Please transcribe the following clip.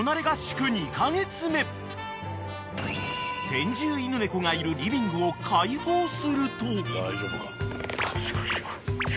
［先住犬猫がいるリビングを開放すると］